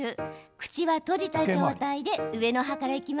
口は閉じた状態で上の歯から。